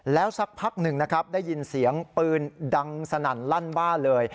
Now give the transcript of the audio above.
แล้วสักพักหนึ่งนะครับได้ยินเสียงปืนดังสนั่นลั่นบ้านเลย